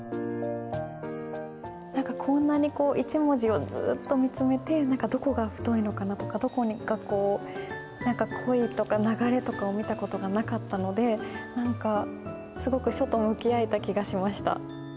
何かこんなに一文字をずっと見つめてどこが太いのかなとかどこが濃いとか流れとかを見た事がなかったので何かすごく書と向き合えた気がしました。